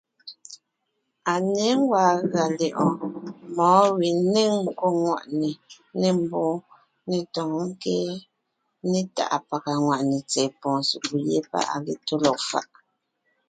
À ně gwàa gʉa lyɛ̌ʼɔɔn mɔ̌ɔn we nêŋ nkwòŋ ŋweʼe, nê mbwóon, nê tɔ̌ɔnkě né tàʼa pàga ŋwàʼne tsɛ̀ɛ pɔ̀ɔn sekúd yé páʼ à ge tó lɔg faʼ.